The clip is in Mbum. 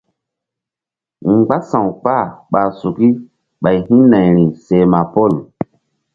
Mgbása̧w kpah ɓa suki ɓay hi̧nayri seh ma pol.